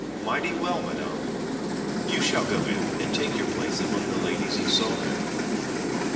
Mighty well, Madam; you shall go in, and take your place among the ladies you saw there."